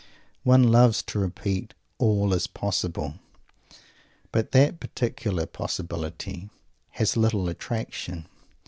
One loves to repeat "all is possible;" but that particular possibility has little attraction.